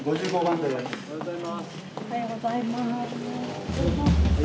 おはようございます。